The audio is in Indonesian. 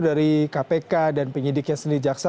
dari kpk dan penyidiknya sendiri jaksa